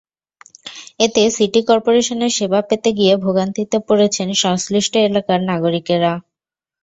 এতে সিটি করপোরেশনের সেবা পেতে গিয়ে ভোগান্তিতে পড়েছেন সংশ্লিষ্ট এলাকার নাগরিকেরা।